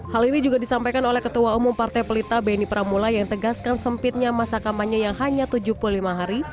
hal ini juga disampaikan oleh ketua umum partai pelita beni pramula yang tegaskan sempitnya masa kampanye yang hanya tujuh puluh lima hari